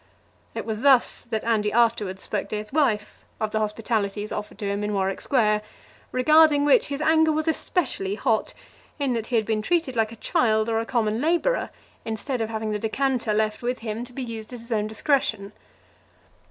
It was thus that Andy afterwards spoke to his wife of the hospitalities offered to him in Warwick Square, regarding which his anger was especially hot, in that he had been treated like a child or a common labourer, instead of having the decanter left with him to be used at his own discretion.